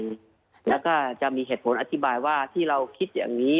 แล้วก็จะมีเหตุผลอธิบายว่าที่เราคิดอย่างนี้